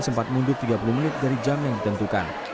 sempat mundur tiga puluh menit dari jam yang ditentukan